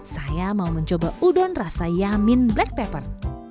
saya mau mencoba udon rasa yamin black pepper